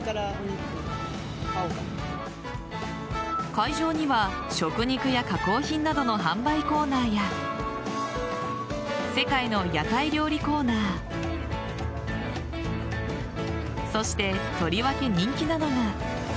会場には、食肉や加工品などの販売コーナーや世界の屋台料理コーナーそして、とりわけ人気なのが。